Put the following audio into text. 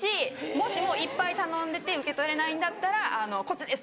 もしもいっぱい頼んでて受け取れないんだったらこっちです！